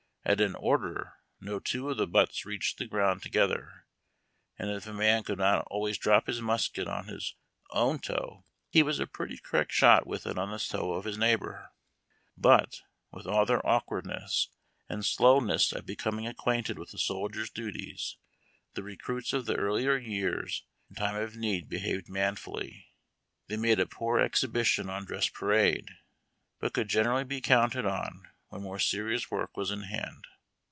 At an "order," no two of the butts reached the ground together, and if a man could not always drop his musket on his own toe he was a pretty correct shot with it on the toe of his neighbor. But, with all their awkwardness and slowness at becoming acquainted with a soldier's duties, the recruits of the earlier years in time of need behaved manfully. They made a poor exhibi tion on dress parade, but could generally be counted on when more serious wcn k was in hand.